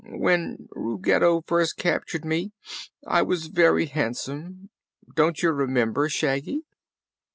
"When Ruggedo first captured me I was very handsome. Don't you remember, Shaggy?"